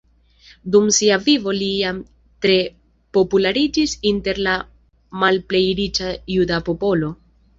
Dum sia vivo li jam tre populariĝis inter la malplej riĉa juda popolo.